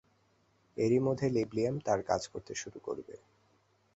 এর মধ্যেই লিব্লিয়াম তার কাজ করতে শুরু করবে।